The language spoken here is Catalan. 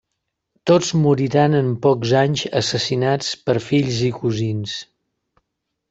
Tots moriran en pocs anys assassinats per fills i cosins.